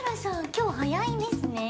今日、早いんですね。